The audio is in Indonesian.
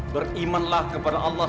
berimanlah kepada allah